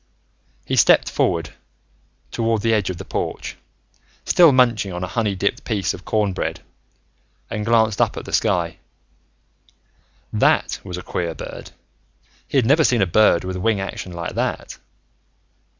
He stepped forward to the edge of the porch, still munching on a honey dipped piece of cornbread, and glanced up at the sky. That was a queer bird; he had never seen a bird with a wing action like that.